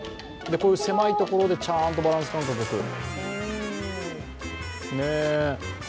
こういう狭いところでちゃんとバランスをとる。